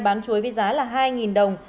bán chuối với giá là hai đồng